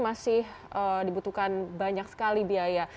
masih dibutuhkan banyak sekali biaya